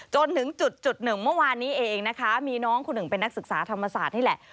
จนถึงจุดหนึ่งเมื่อวานนี้เองนะคะมีน้องคนหนึ่งเป็นนักศึกษาธรรมศาสตร์นี่แหละ